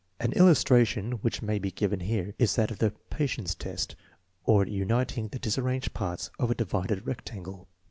2 An illustration which may be given here is that of the " patience test," or uniting the disarranged parts of a divided rectangle.